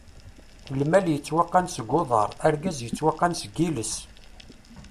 Lmal yettwaqqan seg uḍaṛ, argaz yettwaqqan seg iles!